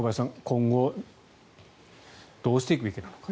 今後、どうしていくべきなのか。